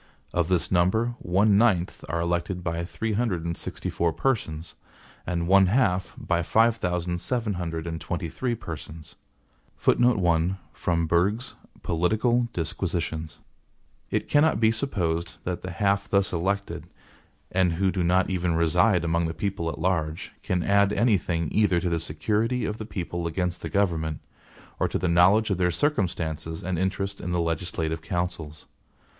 Of this number, one ninth are elected by three hundred and sixty four persons, and one half, by five thousand seven hundred and twenty three persons.(1) It cannot be supposed that the half thus elected, and who do not even reside among the people at large, can add any thing either to the security of the people against the government, or to the knowledge of their circumstances and interests in the legislative councils.